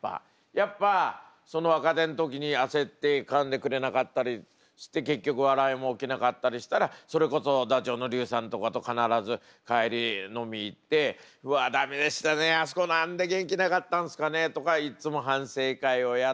やっぱその若手の時に焦ってかんでくれなかったりして結局笑いも起きなかったりしたらそれこそダチョウの竜兵さんとかと必ず帰り飲み行って「うわ駄目でしたねあそこ何で元気なかったんすかね」とかいっつも反省会をやって。